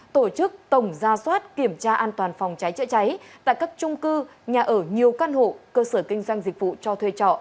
tổ chức tổng gia soát kiểm tra an toàn phòng cháy chữa cháy tại các trung cư nhà ở nhiều căn hộ cơ sở kinh doanh dịch vụ cho thuê trọ